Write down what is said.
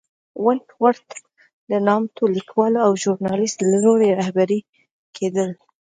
ونټ ورت د نامتو لیکوال او ژورنالېست له لوري رهبري کېدل.